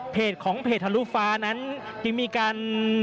เพจของเพจทะลุฟ้านั้นยังมีการ